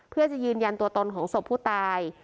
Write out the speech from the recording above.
เพื่อจะยืนยันตัวตนของศพผู้ตาย